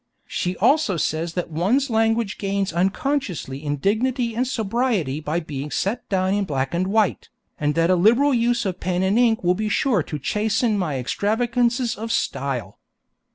She also says that one's language gains unconsciously in dignity and sobriety by being set down in black and white, and that a liberal use of pen and ink will be sure to chasten my extravagances of style.